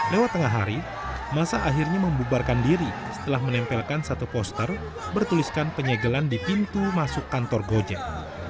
lewat tengah hari masa akhirnya membubarkan diri setelah menempelkan satu poster bertuliskan penyegelan di pintu masuk kantor gojek